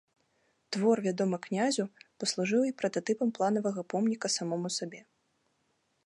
Твор, вядомы князю, паслужыў і прататыпам планаванага помніка самому сабе.